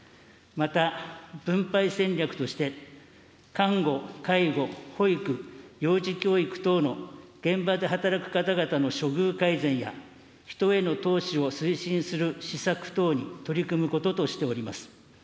また分配戦略として、看護、介護、保育、幼児教育等の現場で働く方々の処遇改善や、人への投資を推進する施策等に取り組むこととしております。